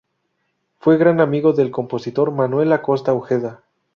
Fue gran amigo del compositor Manuel Acosta Ojeda.